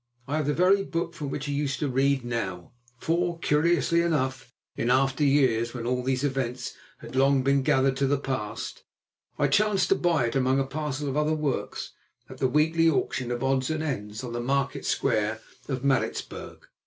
I have the very book from which he used to read now, for, curiously enough, in after years, when all these events had long been gathered to the past, I chanced to buy it among a parcel of other works at the weekly auction of odds and ends on the market square of Maritzburg.